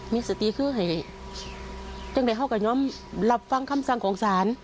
มิสติคือให้ทั้งนี้เขากะย้อนรับฟังคำสั่งของซาน